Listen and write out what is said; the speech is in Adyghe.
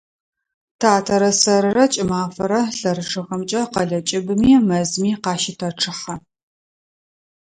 Татэрэ сэрырэ кӀымафэрэ лъэрычъэхэмкӀэ къэлэ кӀыбыми, мэзми къащытэчъыхьэ.